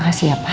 makasih ya pa